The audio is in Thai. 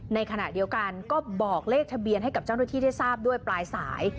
ในขณะเดียวกันก็บอกเลขทะเบียนให้กับเจ้าหน้าที่ได้ทราบด้วยปลายสาย